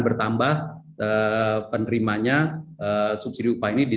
bertambah penerimanya subsidi upah ini